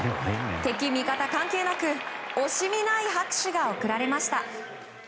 敵味方関係なく惜しみない拍手が送られました。